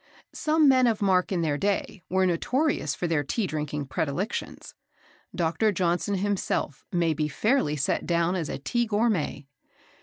Some men of mark in their day were notorious for their Tea drinking predilections. Dr. Johnson himself may be fairly set down as a Tea gourmet.